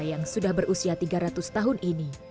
yang sudah berusia tiga ratus tahun ini